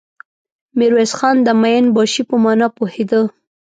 ميرويس خان د مين باشي په مانا پوهېده.